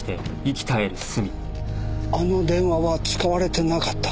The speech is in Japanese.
あの電話は使われてなかった。